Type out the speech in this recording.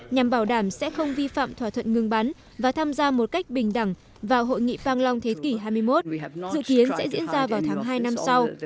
nhằm bảo đảm sẽ không vi phạm thỏa thuận ngừng bắn và tham gia một cách bình đẳng vào hội nghị phang long thế kỷ hai mươi một dự kiến sẽ diễn ra vào tháng hai năm sau